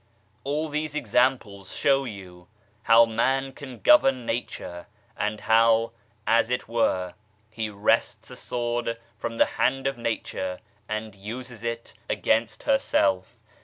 All these examples show you how man can govern Nature, and how, as it were, he wrests a sword from the hand of Nature and uses it against herself.